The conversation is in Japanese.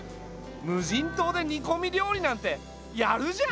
無人島で煮こみ料理なんてやるじゃん！